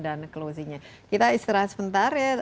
dan closingnya kita istirahat sebentar ya